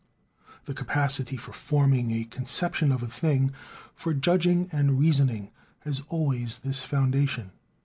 The capacity for forming a conception of a thing, for judging and reasoning, has always this foundation.